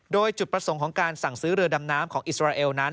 โดยจุดประสงค์ของการสั่งซื้อเรือดำน้ำของอิสราเอลนั้น